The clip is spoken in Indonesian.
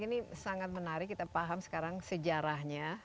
ini sangat menarik kita paham sekarang sejarahnya